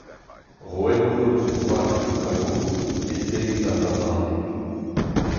Roet hoc’h eus o gwalc’h d’ho kalonoù e deiz al lazhadeg.